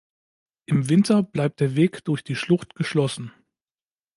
Im Winter bleibt der Weg durch die Schlucht geschlossen.